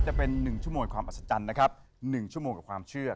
จะเป็น๑ชั่วโมงความอัศจรรย์นะครับ๑ชั่วโมงกับความเชื่อ